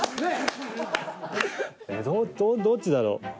どっちだろう？